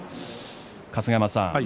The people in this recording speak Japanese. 春日山さん